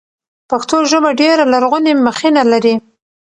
پښتو ژبه ډېره لرغونې مخینه لري.